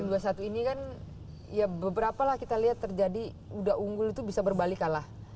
dan game dua puluh satu ini kan ya beberapa lah kita lihat terjadi udah unggul itu bisa berbalik kalah